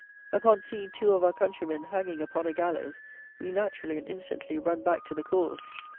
Upon seeing two of our countrymen hanging upon a gallows, we naturally, and instantly, run back to the cause.